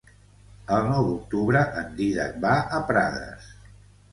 El nou d'octubre en Dídac va a Prades.